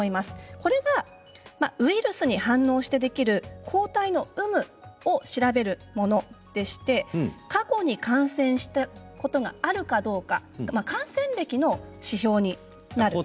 これはウイルスに反応してできる抗体の有無を調べるもので過去に感染したことがあるかどうか感染歴の指標になります。